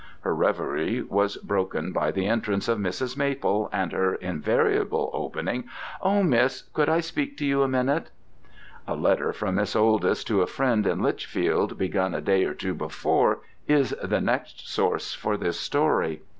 Her reverie was broken by the entrance of Mrs. Maple, and her invariable opening, "Oh, Miss, could I speak to you a minute?" A letter from Miss Oldys to a friend in Lichfield, begun a day or two before, is the next source for this story.